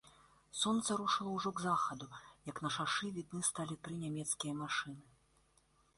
Сонца рушыла ўжо к захаду, як на шашы відны сталі тры нямецкія машыны.